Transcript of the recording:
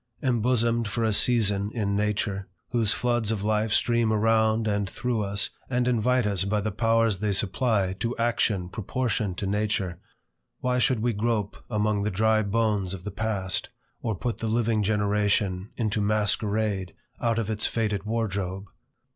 Embosomed for a season in nature, whose floods of life stream around and through us, and invite us by the powers they supply, to action proportioned to nature, why should we grope among the dry bones of the past, or put the living generation into masquerade out of its faded wardrobe?